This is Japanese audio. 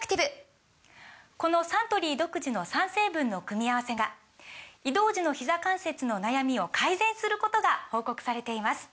このサントリー独自の３成分の組み合わせが移動時のひざ関節の悩みを改善することが報告されています